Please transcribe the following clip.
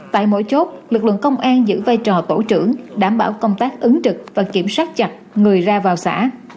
tại mỗi chốt lực lượng công an giữ vai trò tổ trưởng đảm bảo công tác ứng trực và kiểm soát chặt người ra vào xã